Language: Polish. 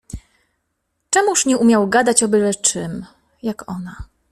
Czemuż nie umiał gadać o byle czym, jak ona?